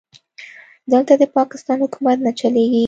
دلته د پاکستان حکومت نه چلېږي.